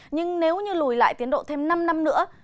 nhưng nếu như lùi lại tiến độ thêm năm năm nữa